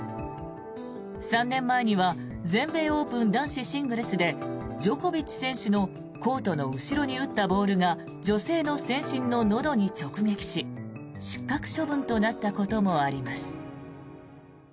３年前には全米オープン男子シングルスでジョコビッチ選手のコートの後ろに打ったボールが女性の線審ののどに直撃し失格処分となったこともあります。